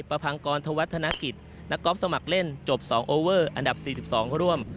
ประพังกรธวัฒนกิจนักกอล์ฟสมัครเล่นจบ๒โอเวอร์อันดับ๔๒ร่วม